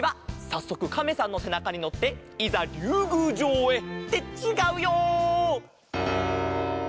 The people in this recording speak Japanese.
さっそくカメさんのせなかにのっていざりゅうぐうじょうへ。ってちがうよ！